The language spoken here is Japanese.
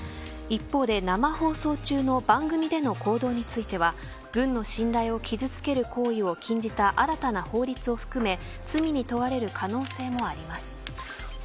一方で、生放送中の番組での行動については軍の信頼を傷つける行為を禁じた新たな法律を含め罪に問われる可能性もあります。